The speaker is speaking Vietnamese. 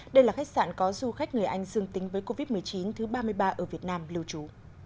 đây là khách sạn có du khách người anh dương tính với covid một mươi chín thứ ba mươi ba ở việt nam lưu trú